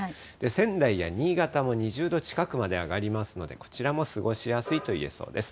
仙台や新潟も２０度近くまで上がりますので、こちらも過ごしやすいといえそうです。